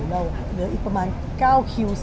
เราเหลืออีกประมาณ๙คิว